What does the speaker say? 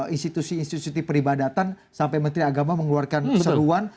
institusi institusi peribadatan sampai menteri agama mengeluarkan seruan